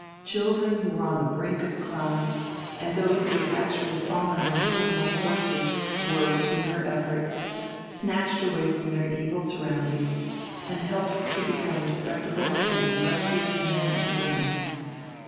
Children who were on the brink of crime, and those who had actually fallen into criminal courses, were, through her efforts, snatched away from their evil surroundings, and helped to become respectable and industrious men and women.